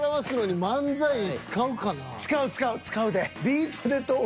使う使う使うで。